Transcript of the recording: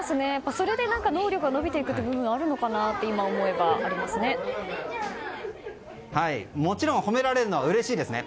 それで能力が伸びていくという部分があるのかなってもちろん、褒められるのはうれしいですね。